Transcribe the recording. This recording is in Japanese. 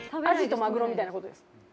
アジとマグロみたいなことです。